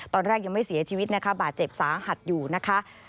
ตอนแรกยังไม่เสียชีวิตนะคะบาดเจ็บสาหัสอยู่นะคะ